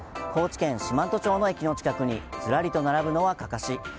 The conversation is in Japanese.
高知県四万十町の駅の近くにずらりと並ぶのはかかし。